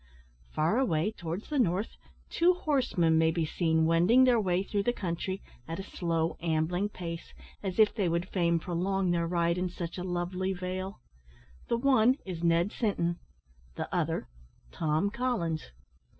Far away towards the north, two horsemen may be seen wending their way through the country at a slow, ambling pace, as if they would fain prolong their ride in such a lovely vale. The one is Ned Sinton, the other Tom Collins.